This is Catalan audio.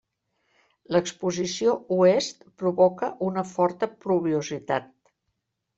L'exposició oest provoca una forta pluviositat.